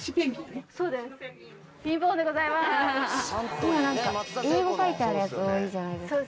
今英語書いてあるやつ多いじゃないですか。